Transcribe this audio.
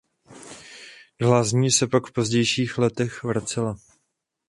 Do lázní se pak v pozdějších letech vracela.